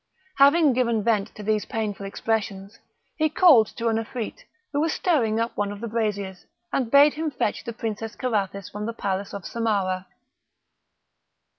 Having given vent to these painful expressions, he called to an Afrit, who was stirring up one of the braziers, and bade him fetch the Princess Carathis from the palace of Samarah.